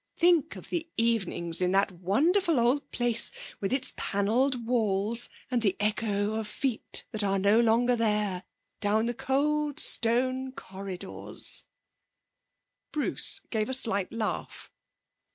Think of the evenings in that wonderful old place, with its panelled walls, and the echo of feet that are no longer there, down the cold, stone corridors ' Bruce gave a slight laugh.